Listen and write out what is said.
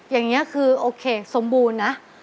อย่างนี้คือโอเคสมบูรณ์นะ